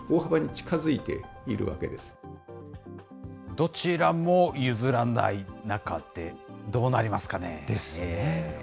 どちらも譲らない中で、どうなりますかね。ですよね。